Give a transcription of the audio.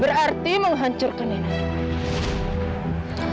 berarti menghancurkan nena